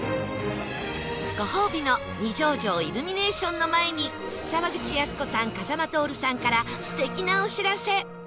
ご褒美の二条城イルミネーションの前に沢口靖子さん風間トオルさんから素敵なお知らせ